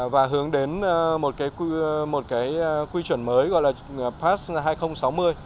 và hướng đến một cái quy chuẩn mới gọi là pass hai nghìn sáu mươi